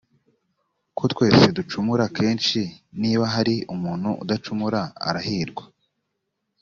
ko twese ducumura kenshi niba hari umuntu udacumura arahirwa